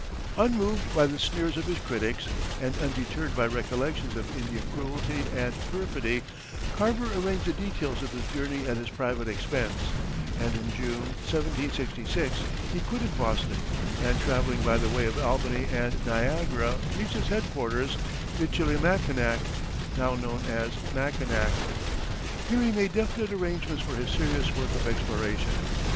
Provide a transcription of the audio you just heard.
Unmoved by the sneers of his critics, and undeterred by recollections of Indian cruelty and perfidy, Carver arranged the details of his journey at his private expense, and in June, 1766, he quitted Boston, and travelling by the way of Albany and Niagara reached his headquarters, Michillimackinac, now known as Mackinac. Here he made definite arrangements for his serious work of exploration.